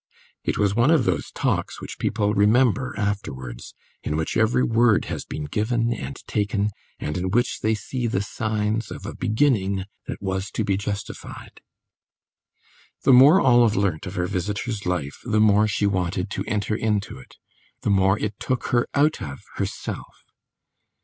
It was one of those talks which people remember afterwards, in which every word has been given and taken, and in which they see the signs of a beginning that was to be justified. The more Olive learnt of her visitor's life the more she wanted to enter into it, the more it took her out of herself.